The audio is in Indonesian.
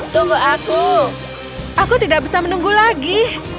tunggu aku aku tidak bisa menunggu lagi